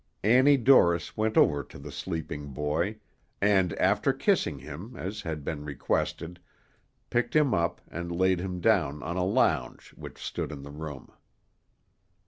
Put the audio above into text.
Annie Dorris went over to the sleeping boy, and, after kissing him, as had been requested, picked him up, and laid him down on a lounge which stood in the room.